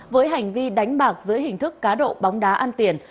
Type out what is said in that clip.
với hành vi đánh bạc dưới hình thức cá độ bóng đá an tiền